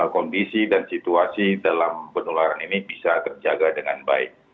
kondisi dan situasi dalam penularan ini bisa terjaga dengan baik